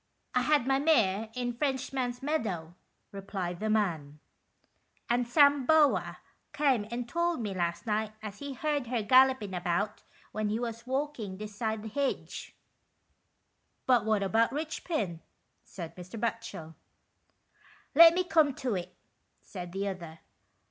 " I had my mare in Frenchman's Meadow," replied the man, "and Sam Bower come and told me last night as he heard her gallopin' about when he was walking this side the hedge." 40 THE RICHPINS. " But what about Richpin ?" said Mr. Batchel. " Let me come to it," said the other.